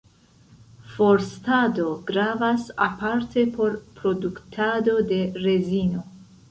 Forstado gravas aparte por produktado de rezino.